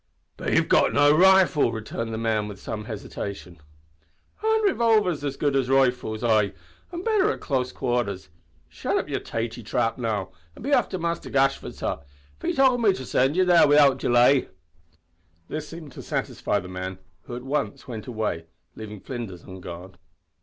"But you've got no rifle," returned the man, with some hesitation. "Aren't revolvers as good as rifles, ay, an' better at close quarters? Shut up your tatie trap, now, an' be off to Muster Gashford's hut for he towld me to sind you there widout delay." This seemed to satisfy the man, who at once went away, leaving Flinders on guard.